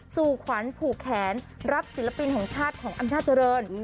สู่ขวัญผูกแขนรับศิลปินของชาติของอำนาจเจริญ